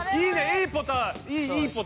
いいポタよ！